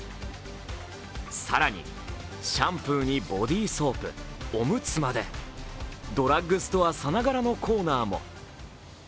更に、シャンプーにボディソープ、おむつまで、ドラッグストアさながらのコーナーも。